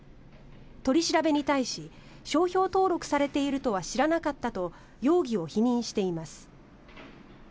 取り調べに対し商標登録されているとは知らなかったと容疑を否認しています。